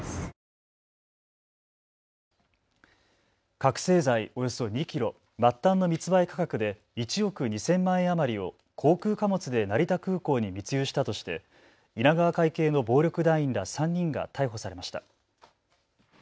覚醒剤およそ２キロ、末端の密売価格で１億２０００万円余りを航空貨物で成田空港に密輸したとして稲川会系の暴力団員ら３人が逮捕されました。